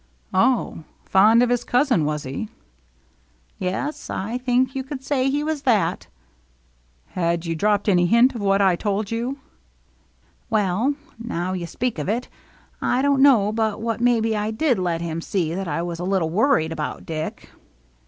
" Oh, fond of his cousin, was he ?"" Yes, I think you could say he was that." " Had you dropped him any hint of what I told you ?"" Well, now you speak of it, I don't know but what maybe I did let him see that I was a little worried about Dick."